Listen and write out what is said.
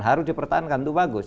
harus dipertahankan itu bagus